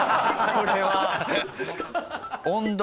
これは。